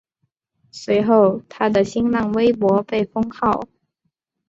随后他的新浪微博被封号。